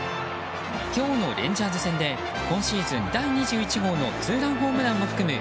今日のレンジャーズ戦で今シーズン第２１号のツーランホームランを含む